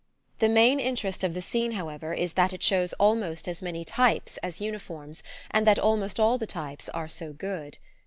The main interest of the scene, however, is that it shows almost as many types as uniforms, and that almost all the types are so good.